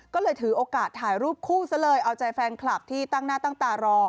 ก็เลยถือโอกาสถ่ายรูปคู่ซะเลยเอาใจแฟนคลับที่ตั้งหน้าตั้งตารอ